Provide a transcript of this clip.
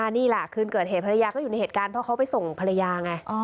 นี่แหละคืนเกิดเหตุภรรยาก็อยู่ในเหตุการณ์เพราะเขาไปส่งภรรยาไง